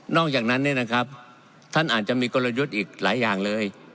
อกจากนั้นเนี่ยนะครับท่านอาจจะมีกลยุทธ์อีกหลายอย่างเลย